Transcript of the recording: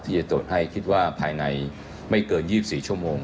จะตรวจให้คิดว่าภายในไม่เกิน๒๔ชั่วโมง